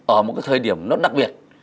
ở một cái thời điểm rất đặc biệt